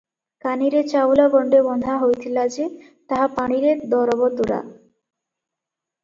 କାନିରେ ଚାଉଳ ଗଣ୍ଡେ ବନ୍ଧା ହୋଇଥିଲା ଯେ, ତାହା ପାଣିରେ ଦରବତୁରା ।